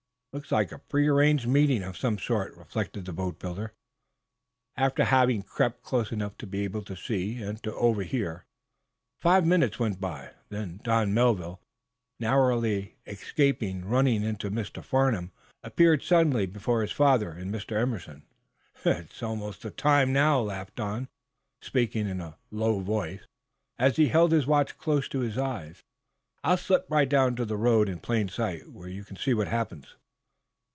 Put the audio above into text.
"It looks like a prearranged meeting of some sort," reflected the boatbuilder, after having crept close enough to be able to see and to overhear. Five minutes went by. Then Don Melville, narrowly escaping running into Mr. Farnum, appeared suddenly before his father and Mr. Emerson. "It's almost the time, now," laughed Don, speaking in a low voice, as he held his watch close to his eyes. "I'll slip right down into the road, in plain sight, where you can see what happens."